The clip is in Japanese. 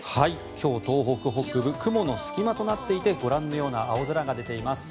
今日、東北北部雲の隙間となっていてご覧のような青空が出ています。